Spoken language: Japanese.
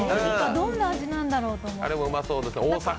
どんな味なんだろうと思って。